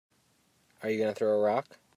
Are you gonna throw a rock?